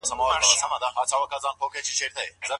څنګه ځايي بڼوال قیمتي ډبرې عربي هیوادونو ته لیږدوي؟